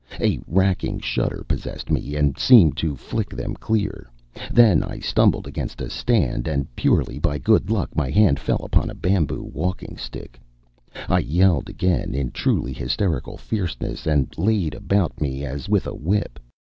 A racking shudder possessed me and seemed to flick them clear. Then I stumbled against a stand, and purely by good luck my hand fell upon a bamboo walking stick. I yelled again, in truly hysterical fierceness, and laid about me as with a whip.